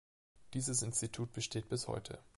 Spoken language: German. Dieses Institut besteht bis heute.